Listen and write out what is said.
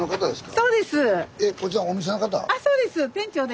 あそうです。